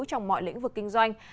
trong mọi lĩnh vực kinh doanh